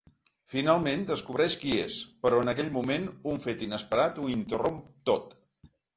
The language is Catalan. Finalment, descobreix qui és… però en aquell moment un fet inesperat ho interromp tot.